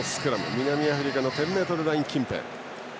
南アフリカの１０ｍライン近辺。